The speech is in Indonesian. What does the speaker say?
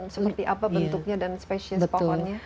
seperti apa bentuknya dan spesies papannya